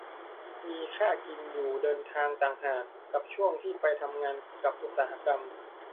มีค่ากินอยู่เดินทางต่างหาก กับช่วงที่ไปทำงานกับอุตสาหกรรม